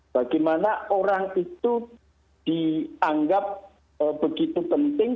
bagaimana orang itu dianggap begitu penting